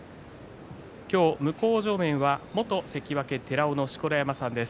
向正面は元関脇寺尾の錣山さんです。